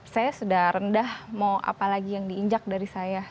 saya sudah rendah mau apalagi yang diinjak dari saya